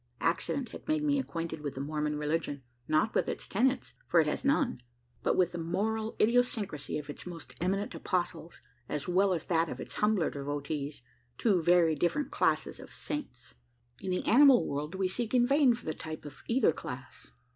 Accident had made me acquainted with the Mormon religion; not with its tenets for it has none but with the moral idiosyncrasy of its most eminent "apostles," as well as that of its humbler devotees two very different classes of "Saints." In the animal world, we seek in vain for the type of either class.